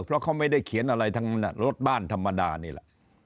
เพราะเขาไม่ได้เขียนอะไรทั้งรถบ้านธรรมดานี่แหละ